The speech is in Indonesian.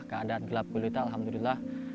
keadaan gelap kulitnya alhamdulillah